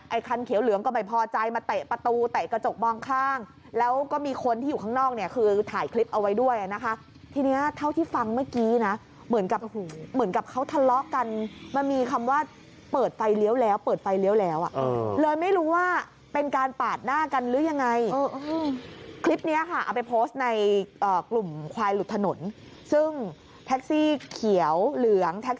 คันเขียวเหลืองก็ไม่พอใจมาเตะประตูเตะกระจกมองข้างแล้วก็มีคนที่อยู่ข้างนอกเนี่ยคือถ่ายคลิปเอาไว้ด้วยนะคะทีนี้เท่าที่ฟังเมื่อกี้นะเหมือนกับเหมือนกับเขาทะเลาะกันมันมีคำว่าเปิดไฟเลี้ยวแล้วเปิดไฟเลี้ยวแล้วอ่ะเลยไม่รู้ว่าเป็นการปาดหน้ากันหรือยังไงคลิปนี้ค่ะเอาไปโพสต์ในกลุ่มควายหลุดถนนซึ่งแท็กซี่เขียวเหลือง